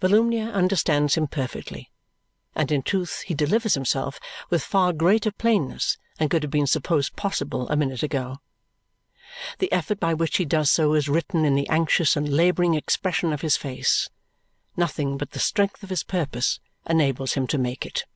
Volumnia understands him perfectly, and in truth he delivers himself with far greater plainness than could have been supposed possible a minute ago. The effort by which he does so is written in the anxious and labouring expression of his face. Nothing but the strength of his purpose enables him to make it.